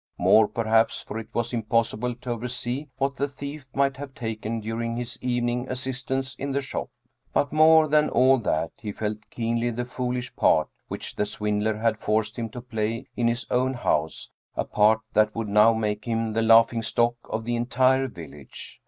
More, perhaps, for it was impossible to oversee what the thief might have taken during his evening " assistance " in the shop. But, more than all that, he felt keenly the foolish part which the swindler had forced him to play in his own house a part that would now make him the laughing stock of the entire village.